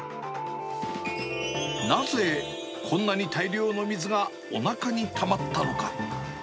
なぜ、こんなに大量の水がおなかにたまったのか。